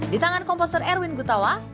di tangan komposer erwin gutawa